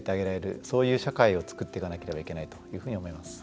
そういう社会を作っていかなければいけないと思います。